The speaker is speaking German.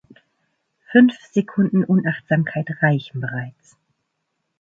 Fünf Sekunden Unachtsamkeit reichen bereits.